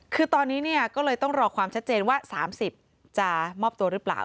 คือตอนนี้เนี่ยก็เลยต้องรอความชัดเจนว่า๓๐จะมอบตัวหรือเปล่า